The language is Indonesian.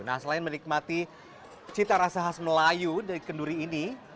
nah selain menikmati cita rasa khas melayu dari kenduri ini